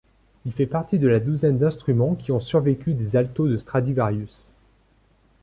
Il fait partie de la douzaine d'instruments qui ont survécu des altos de Stradivarius.